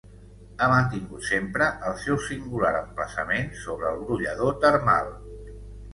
Ha mantingut sempre el seu singular emplaçament sobre el brollador termal.